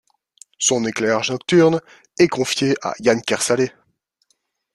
Son éclairage nocturne est confié à Yann Kersalé.